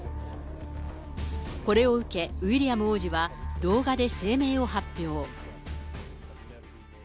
これを受け、ウィリアム王子は動画で声明を発表。